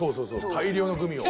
大量のグミを。